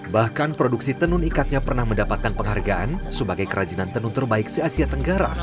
bahkan produksi tenun ikatnya pernah mendapatkan penghargaan sebagai kerajinan tenun terbaik se asia tenggara